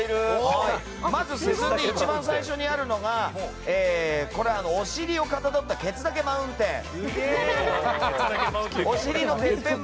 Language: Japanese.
まず進んで一番最初にあるのがお尻をかたどったケツだけマウンテン。